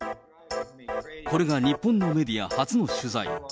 これが日本のメディア初の取材。